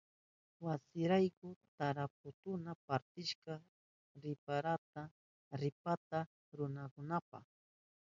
Wasinrayku tarapututa partishka ripata rurananpa.